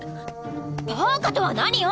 バーカとは何よ。